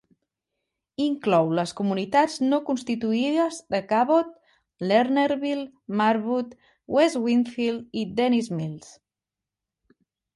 Inclou les comunitats no constituïdes de Cabot, Lernerville, Marwood, West Winfield i Dennys Mills.